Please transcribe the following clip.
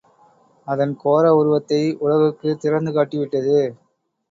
அதன் கோர உருவத்தை உலகுக்குத் திறந்துகாட்டி விட்டது.